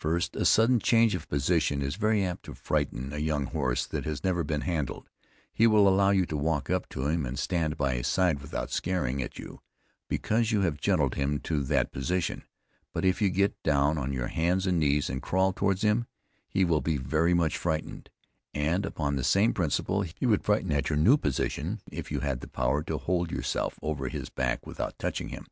First, a sudden change of position is very apt to frighten a young horse that has never been handled; he will allow you to walk up to him, and stand by his side without scaring at you, because you have gentled him to that position, but if you get down on your hands and knees and crawl towards him, he will be very much frightened, and upon the same principle, he would frighten at your new position if you had the power to hold yourself over his back without touching him.